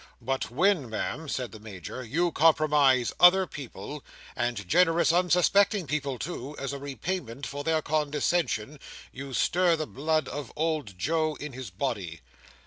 "But when, Ma'am," said the Major, "you compromise other people, and generous, unsuspicious people too, as a repayment for their condescension, you stir the blood of old Joe in his body."